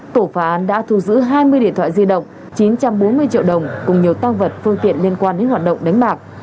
tổ phá án đã thu giữ hai mươi điện thoại di động chín trăm bốn mươi triệu đồng cùng nhiều tăng vật phương tiện liên quan đến hoạt động đánh bạc